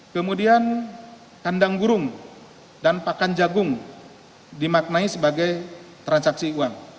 kemudian kandang burung dan pakan jagung dimaknai sebagai transaksi uang